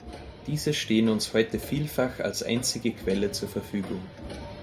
Diese stehen uns heute vielfach als einzige Quelle zur Verfügung.